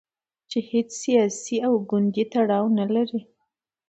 چې هیڅ سیاسي او ګوندي تړاو نه لري.